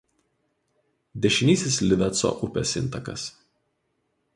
Dešinysis Liveco upės intakas.